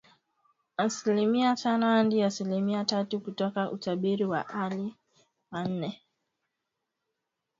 Asilimia tano hadi asilimia tatu, kutoka utabiri wa awali wa nne.